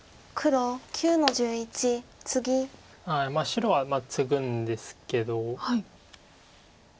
白はツグんですけど。